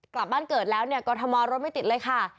กลับบ้านเกิดแล้วเนี่ยกรทมรถไม่ติดเลยค่ะ